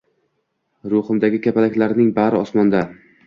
Ruhimdagi kapalaklarning bari osmonda